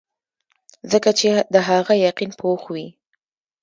ځکه چې د هغه يقين پوخ وي -